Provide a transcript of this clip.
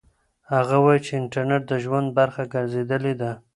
هغه وایي چې انټرنيټ د ژوند برخه ګرځېدلې ده.